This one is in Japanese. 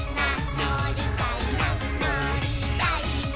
「のりたいなのりたいな」